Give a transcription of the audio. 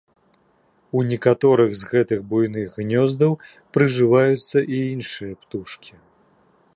У некаторых з гэтых буйных гнёздаў прыжываюцца і іншыя птушкі.